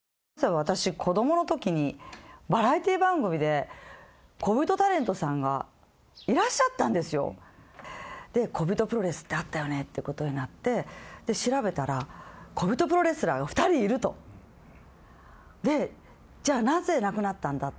私子供の時にバラエティー番組で小人タレントさんがいらっしゃったんですよで「小人プロレスってあったよね」ってことになってで調べたら小人プロレスラーが２人いるとでじゃなぜなくなったんだ？